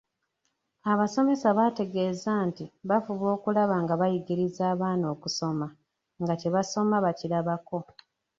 Abasomesa baategeeza nti bafuba okulaba nga bayigiriza abaana okusoma nga kye basoma bakirabako.